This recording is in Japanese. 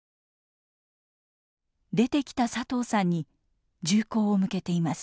出てきた佐藤さんに銃口を向けています。